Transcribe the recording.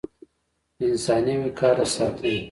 د انساني وقار د ساتنې